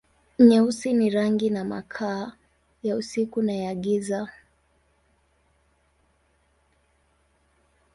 Nyeusi ni rangi na makaa, ya usiku na ya giza.